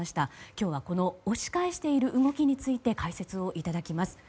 今日はこの押し返している動きについて解説をいただきます。